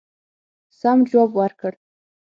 سم جواب ورکړ.